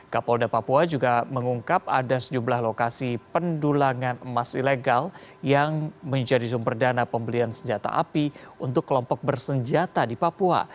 kapolda papua juga mengungkap ada sejumlah lokasi pendulangan emas ilegal yang menjadi sumber dana pembelian senjata api untuk kelompok bersenjata di papua